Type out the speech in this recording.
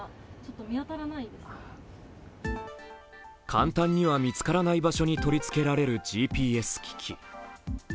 簡単には見つからない場所に取り付けられるＧＰＳ機器。